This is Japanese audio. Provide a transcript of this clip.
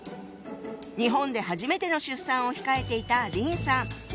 日本で初めての出産を控えていた林さん。